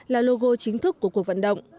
là logo chính thức của cuộc vận động